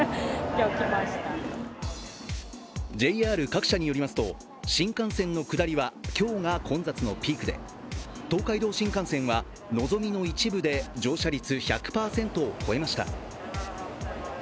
ＪＲ各社によりますと、新幹線の下りは今日が混雑のピークで東海道新幹線は、のぞみの一部で乗車率１００％を超えました。